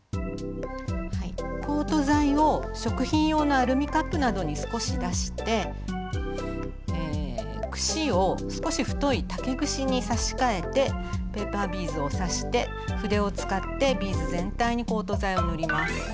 コート剤を食品用のアルミカップなどに少し出して串を少し太い竹串に差し替えてペーパービーズを挿して筆を使ってビーズ全体にコート剤を塗ります。